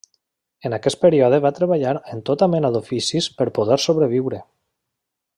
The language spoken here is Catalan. En aquest període va treballar en tota mena d'oficis per poder sobreviure.